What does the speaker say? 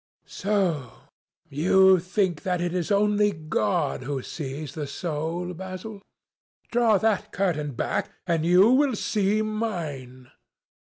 "So you think that it is only God who sees the soul, Basil? Draw that curtain back, and you will see mine."